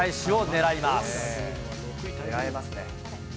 狙えますね。